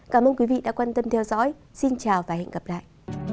cảm ơn quý vị đã quan tâm theo dõi xin chào và hẹn gặp lại